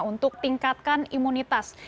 untuk tingkatkan imunitas